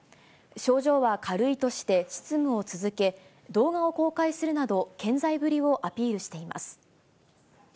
症状は軽いとして執務を続け、動画を公開するなど、健在ぶりをアピールしています。